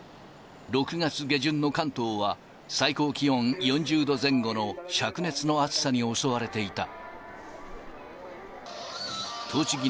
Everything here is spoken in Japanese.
６月下旬の関東は、最高気温４０度前後のしゃく熱の暑さに襲われていた。